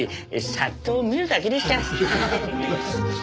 さっと見るだけですから。